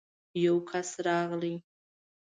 يو کس راغی.